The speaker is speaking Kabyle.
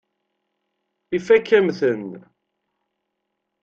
Ifakk-am-ten.